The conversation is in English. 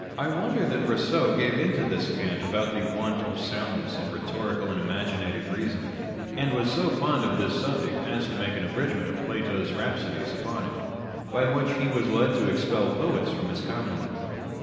I wonder that Eousseau gave in to this cant about the want of sound ness in rhetorical and imaginative reasoning ; and was so fond of this subject as to make an abridgment of Plato's rhapsodies upon it, by which he was led to expel poets from his commonwealth.